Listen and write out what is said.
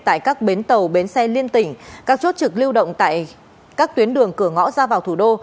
tại các bến tàu bến xe liên tỉnh các chốt trực lưu động tại các tuyến đường cửa ngõ ra vào thủ đô